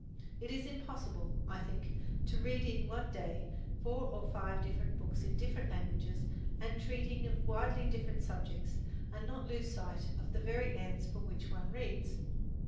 It is impossible, I think, to read in one day four or five different books in different languages and treating of widely different subjects, and not lose sight of the very ends for which one reads.